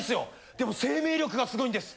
でも生命力がすごいんです。